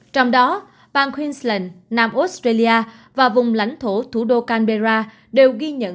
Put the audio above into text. trong đó bang queensland nam australia và vùng lãnh thổ thủ đô canberra đều ghi nhận